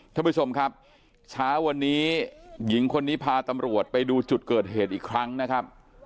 ท่านผู้ชมครับเช้าวันนี้หญิงคนนี้พาตำรวจไปดูจุดเกิดเหตุอีกครั้งนะครับ